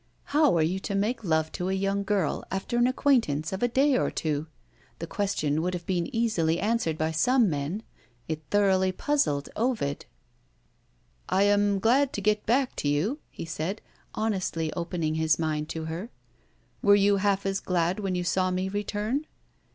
How are you to make love to a young girl, after an acquaintance of a day or two? The question would have been easily answered by some men. It thoroughly puzzled Ovid. "I am so glad to get back to you!" he said, honestly opening his mind to her. "Were you half as glad when you saw me return?"